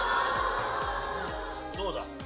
どうだ？